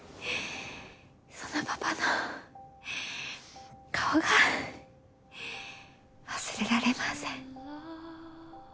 そのパパの顔が忘れられません。